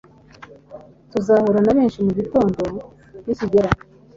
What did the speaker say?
Tuzahura na benshi mugitondo nikigera